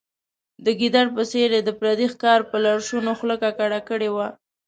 د ګیدړ په څېر یې د پردي ښکار په لړشونو خوله ککړه کړې وه.